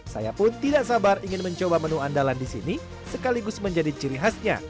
saya pun tidak sabar ingin mencoba menu andalan di sini sekaligus menjadi ciri khasnya